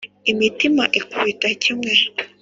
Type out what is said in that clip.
imitima ikubita kimwe.